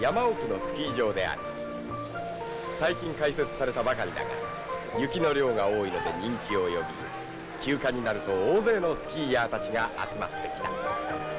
最近開設されたばかりだが雪の量が多いので人気を呼び休暇になると大勢のスキーヤーたちが集まってきた。